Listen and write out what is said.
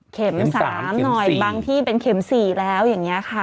๓หน่อยบางที่เป็นเข็ม๔แล้วอย่างนี้ค่ะ